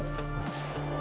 terima kasih pak